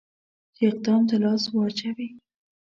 چې اقدام ته لاس واچوي.